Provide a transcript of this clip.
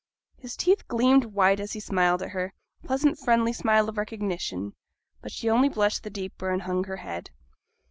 His teeth gleamed white as he smiled at her, a pleasant friendly smile of recognition; but she only blushed the deeper, and hung her head.